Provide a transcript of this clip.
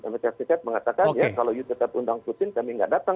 amerika serikat mengatakan kalau anda tetap undang putin kami tidak datang